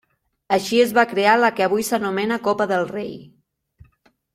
Així es va crear la que avui s'anomena Copa del Rei.